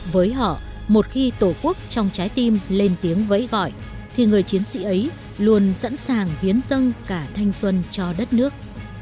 với họ một khi tổ quốc trong trái tim lên tiếng gãy gọi thì người chiến sĩ ấy luôn sẵn sàng hiến dân cả thanh xuân cho đất nước